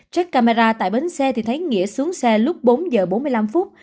trước camera tại bến xe thì thấy nghĩa xuống xe lúc bốn giờ bốn mươi năm phút